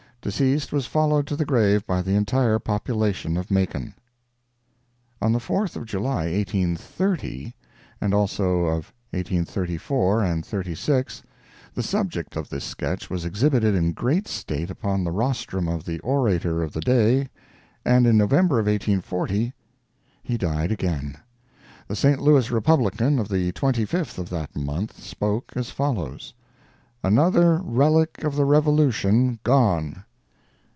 Deceased was followed to the grave by the entire population of Macon. On the Fourth of July, 1830, and also of 1834 and 1836, the subject of this sketch was exhibited in great state upon the rostrum of the orator of the day, and in November of 1840 he died again. The St. Louis Republican of the 25th of that month spoke as follows: "ANOTHER RELIC OF THE REVOLUTION GONE."